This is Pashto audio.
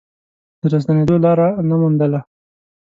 د راستنېدو لاره نه موندله.